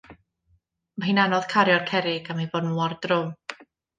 Mae hi'n anodd cario'r cerrig am 'u bod nhw mor drwm.